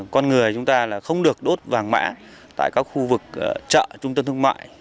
con người chúng ta là không được đốt vàng mã tại các khu vực chợ trung tâm thương mại